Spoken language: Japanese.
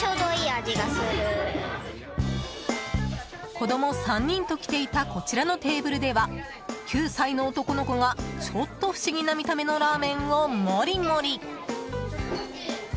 子ども３人と来ていたこちらのテーブルでは９歳の男の子がちょっと不思議な見た目のラーメンをもりもり。